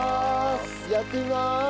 やってみます！